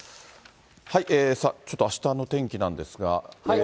ちょっとあしたの天気なんですが。